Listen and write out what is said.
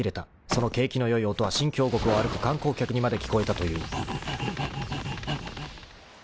［その景気の良い音は新京極を歩く観光客にまで聞こえたという］ハァ。